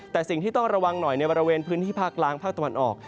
แต่สิ่งที่ต้องระวังหน่อยในบริเวณพื้นที่ภาคล้างภาคตะวันออก